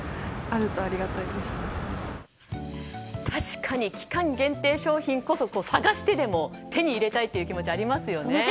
確かに期間限定商品こそ探してでも手に入れたいという気持ち、ありますよね。